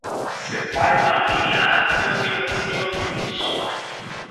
Seu pai para o limiar, seu filho acima do limite.